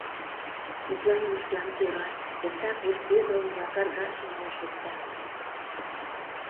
Мутланымыштлан ӧрат: эртак вурседылмыла-каргашымыла шокта.